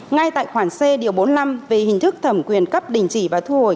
ngay tại khoản c điều bốn mươi năm về hình thức thẩm quyền cấp đình chỉ và thu hồi